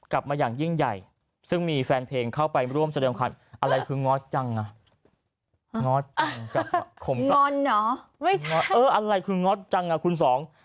คมกล้างอนเหรอไม่ใช่เอออะไรคือง๊อดจังอ่ะคุณสอง